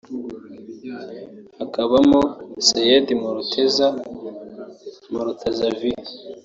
hakabamo Seyed Morteza Mortazavi